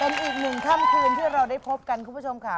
เป็นอีกหนึ่งค่ำคืนที่เราได้พบกันคุณผู้ชมค่ะ